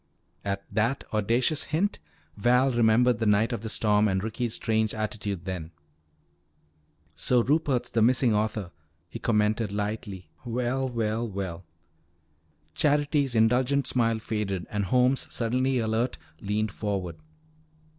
At that audacious hint, Val remembered the night of the storm and Ricky's strange attitude then. "So Rupert's the missing author," he commented lightly. "Well, well, well." Charity's indulgent smile faded, and Holmes, suddenly alert, leaned forward.